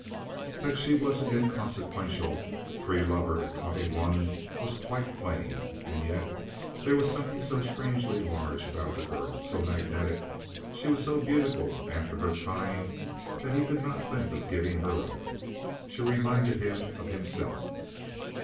That she was an inconsequential free lover at twenty one was quite plain. And yet there was something so strangely large about the girl, so magnetic, and she was so beautiful after her kind, that he could not think of giving her up. She reminded him of himself.